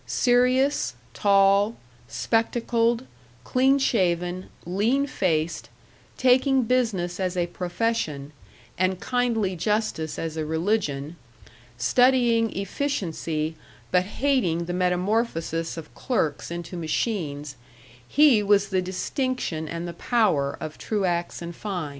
Serious, tall, spectacled, clean shaven, lean faced, taking business as a profession, and kindly justice as a religion, studying efficiency, but hating the metamorphosis of clerks into machines, he was the distinction and the power of Truax & Fein.